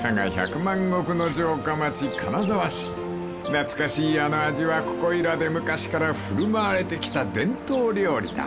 ［懐かしいあの味はここいらで昔から振る舞われてきた伝統料理だ］